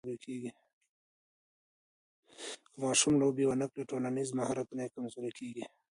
که ماشوم لوبې ونه کړي، ټولنیز مهارتونه یې کمزوري کېږي.